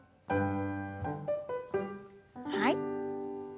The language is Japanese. はい。